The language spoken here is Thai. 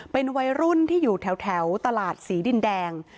เป็นวัยรุ่นที่อยู่แถวตลาดศรีดินแดง